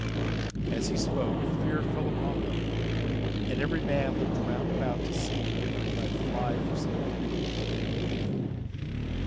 As he spoke fear fell upon them, and every man looked round about to see whither he might fly for safety.